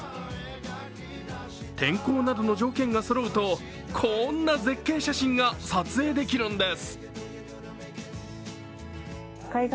天候などの条件がそろうとこんな絶景写真が撮影できるんです。